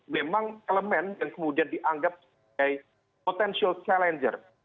memang elemen yang kemudian dianggap sebagai potential challenger